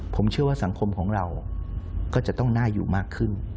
ผมเชื่อว่าสังคมของเราก็จะต้องน่าอยู่มากขึ้น